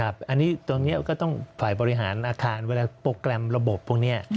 อันนี้ตรงนี้ก็ต้องฝ่ายบริหารอาคารเวลาโปรแกรมระบบพวกนี้